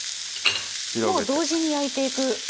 もう同時に焼いていく感じで？